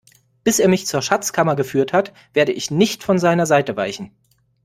Bis er mich zur Schatzkammer geführt hat, werde ich nicht von seiner Seite weichen.